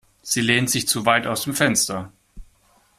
Sie lehnt sich zu weit aus dem Fenster.